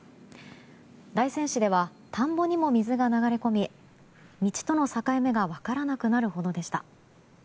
大仙市では田んぼにも水が流れ込み道との境目が分からなくなるほどでした。